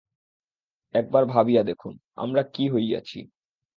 একবার ভাবিয়া দেখুন, আমরা কি হইয়াছি।